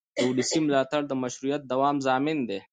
د ولس ملاتړ د مشروعیت دوام ضامن دی